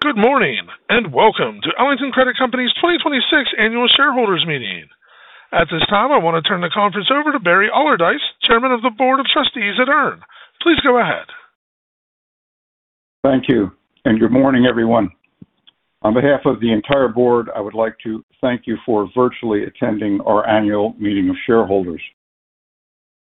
Good morning, welcome to Ellington Credit Company's 2026 Annual Shareholders Meeting. At this time, I want to turn the conference over to Barry Allardice, Chairman of the Board of Trustees at EARN. Please go ahead. Thank you, good morning, everyone. On behalf of the entire Board, I would like to thank you for virtually attending our Annual Meeting of Shareholders.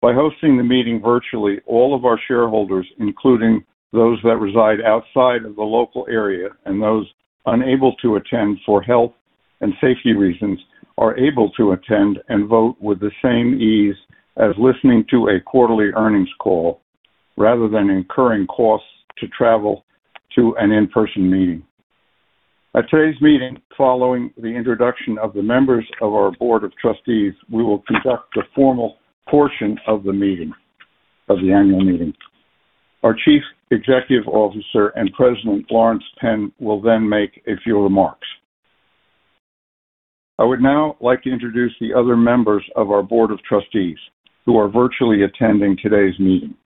By hosting the meeting virtually, all of our shareholders, including those that reside outside of the local area and those unable to attend for health and safety reasons, are able to attend and vote with the same ease as listening to a quarterly earnings call, rather than incurring costs to travel to an in-person meeting. At today's meeting, following the introduction of the members of our Board of Trustees, we will conduct the formal portion of the annual meeting. Our Chief Executive Officer and President, Laurence Penn, will then make a few remarks. I would now like to introduce the other members of our Board of Trustees who are virtually attending today's meeting.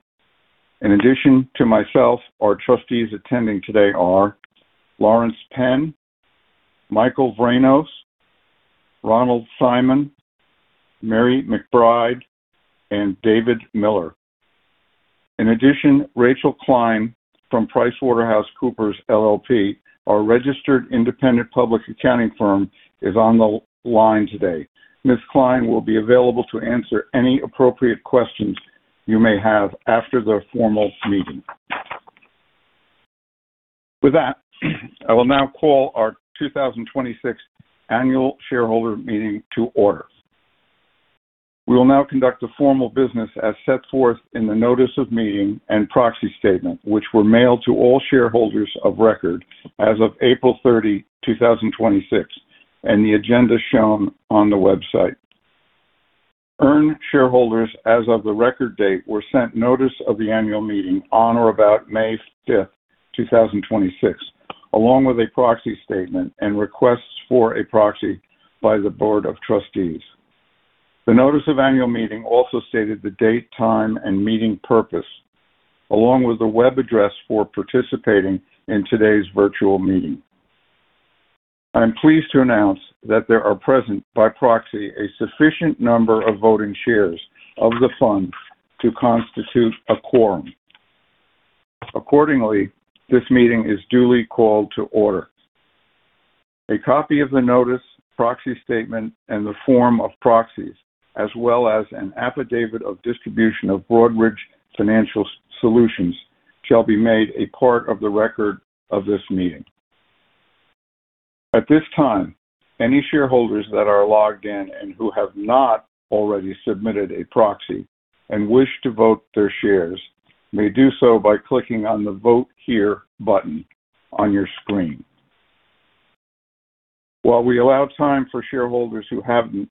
In addition to myself, our trustees attending today are Laurence Penn, Michael Vranos, Ronald Simon, Mary McBride, and David Miller. In addition, Rachel Klein from PricewaterhouseCoopers LLP, our registered independent public accounting firm, is on the line today. Ms. Klein will be available to answer any appropriate questions you may have after the formal meeting. With that, I will now call our 2026 Annual Shareholder Meeting to order. We will now conduct the formal business as set forth in the notice of meeting and proxy statement, which were mailed to all shareholders of record as of April 30, 2026, and the agenda shown on the website. EARN shareholders as of the record date were sent notice of the annual meeting on or about May 5th, 2026, along with a proxy statement and requests for a proxy by the Board of Trustees. The notice of annual meeting also stated the date, time, and meeting purpose, along with the web address for participating in today's virtual meeting. I am pleased to announce that there are present by proxy a sufficient number of voting shares of the fund to constitute a quorum. Accordingly, this meeting is duly called to order. A copy of the notice, proxy statement, and the form of proxies, as well as an affidavit of distribution of Broadridge Financial Solutions, shall be made a part of the record of this meeting. At this time, any shareholders that are logged in and who have not already submitted a proxy and wish to vote their shares may do so by clicking on the Vote Here button on your screen. While we allow time for shareholders who haven't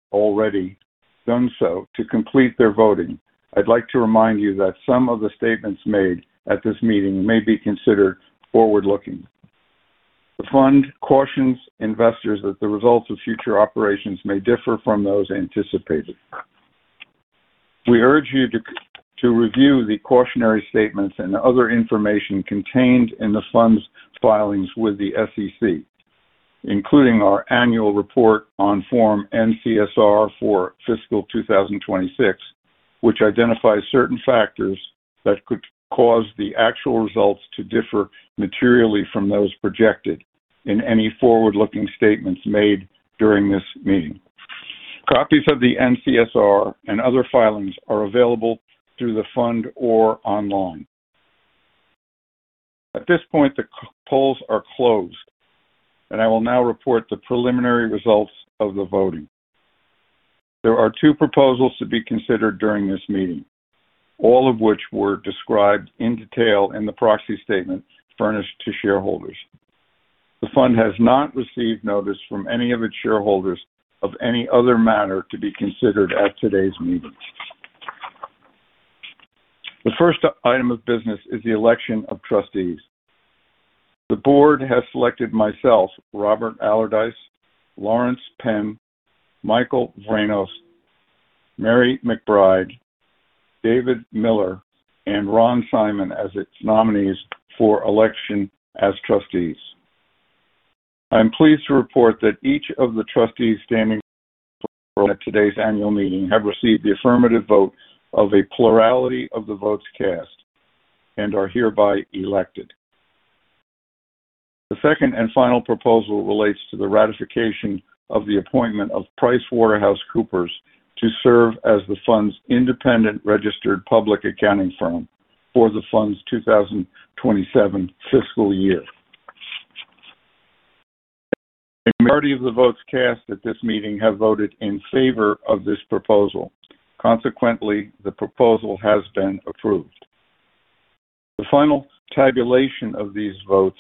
already done so to complete their voting, I'd like to remind you that some of the statements made at this meeting may be considered forward-looking. The fund cautions investors that the results of future operations may differ from those anticipated. We urge you to review the cautionary statements and other information contained in the fund's filings with the SEC, including our annual report on Form NCSR for fiscal 2026, which identifies certain factors that could cause the actual results to differ materially from those projected in any forward-looking statements made during this meeting. Copies of the NCSR and other filings are available through the fund or online. At this point, the polls are closed. I will now report the preliminary results of the voting. There are two proposals to be considered during this meeting, all of which were described in detail in the proxy statement furnished to shareholders. The fund has not received notice from any of its shareholders of any other matter to be considered at today's meeting. The first item of business is the election of Trustees. The Board has selected myself, Robert Allardice, Laurence Penn, Michael Vranos, Mary McBride, David Miller, and Ron Simon as its nominees for election as Trustees. I am pleased to report that each of the Trustees standing for election at today's Annual Meeting have received the affirmative vote of a plurality of the votes cast and are hereby elected. The second and final proposal relates to the ratification of the appointment of PricewaterhouseCoopers to serve as the fund's independent registered public accounting firm for the fund's 2027 fiscal year. A majority of the votes cast at this meeting have voted in favor of this proposal. Consequently, the proposal has been approved. The final tabulation of these votes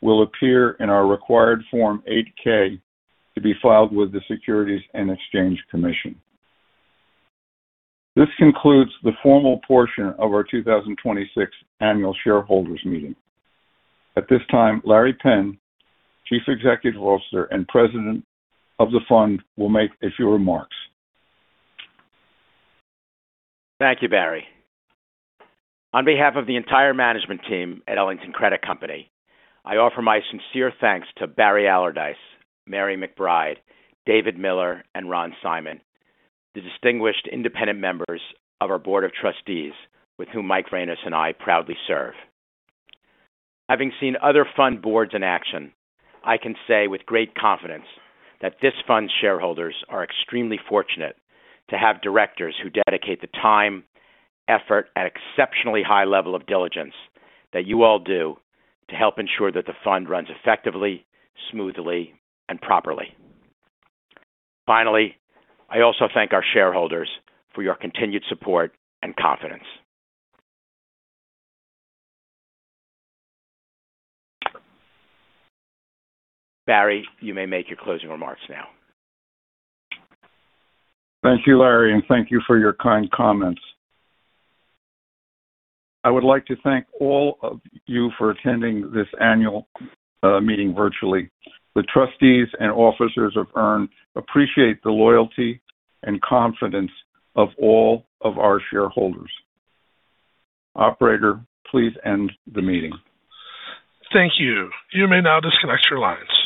will appear in our required Form 8-K to be filed with the Securities and Exchange Commission. This concludes the formal portion of our 2026 Annual Shareholders Meeting. At this time, Larry Penn, Chief Executive Officer and President of the fund, will make a few remarks. Thank you, Barry. On behalf of the entire Management Team at Ellington Credit Company, I offer my sincere thanks to Barry Allardice, Mary McBride, David Miller, and Ron Simon, the distinguished independent members of our Board of Trustees, with whom Mike Vranos and I proudly serve. Having seen other fund boards in action, I can say with great confidence that this fund's shareholders are extremely fortunate to have directors who dedicate the time, effort, and exceptionally high level of diligence that you all do to help ensure that the fund runs effectively, smoothly, and properly. I also thank our shareholders for your continued support and confidence. Barry, you may make your closing remarks now. Thank you, Larry, and thank you for your kind comments. I would like to thank all of you for attending this annual meeting virtually. The trustees and officers of EARN appreciate the loyalty and confidence of all of our shareholders. Operator, please end the meeting. Thank you. You may now disconnect your lines.